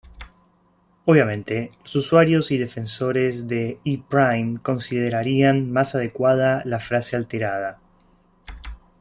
Obviamente, los usuarios y defensores de "E-Prime" considerarían más adecuada la frase alterada.